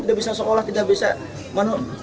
tidak bisa sekolah tidak bisa